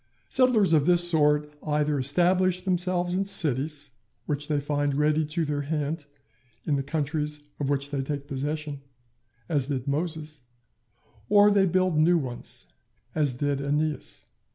Settlers of this sort either establish themselves in cities which they find ready to their hand in the countries of which they take possession, as did Moses; or they build new ones, as did Æneas.